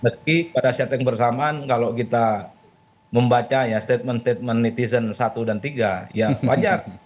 meski pada setting bersamaan kalau kita membaca ya statement statement netizen satu dan tiga ya wajar